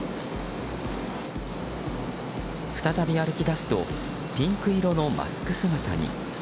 再び歩き出すとピンク色のマスク姿に。